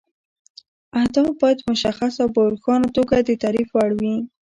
اهداف باید مشخص او په روښانه توګه د تعریف وړ وي.